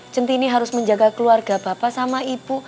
centini harus menjaga keluarga bapak sama ibu